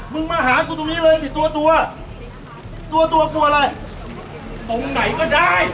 มึงมาหากูตรงนี้เลยสิตัวตัวตัวตัวกูอะไรตรงไหนก็ได้